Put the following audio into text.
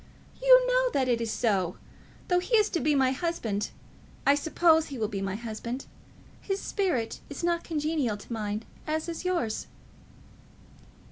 You know that it is so. Though he is to be my husband, I suppose he will be my husband, his spirit is not congenial to mine, as is yours."